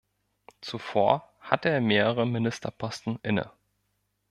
Zuvor hatte er mehrere Ministerposten inne.